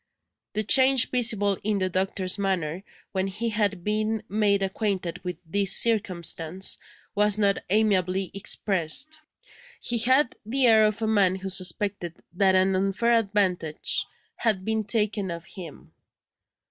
The change visible in the doctor's manner, when he had been made acquainted with this circumstance, was not amiably expressed; he had the air of a man who suspected that an unfair advantage had been taken of him.